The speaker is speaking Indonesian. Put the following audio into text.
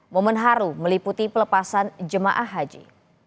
momen haru meliputi pelepasan jemaah haji